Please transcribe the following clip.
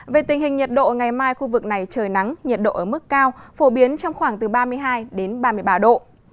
về tình hình nhiệt độ ngày mai khu vực này trời nắng nhiệt độ ở mức cao phổ biến trong khoảng từ ba mươi hai ba mươi ba độ